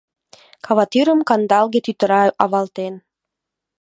Каватӱрым кандалге тӱтыра авалтен.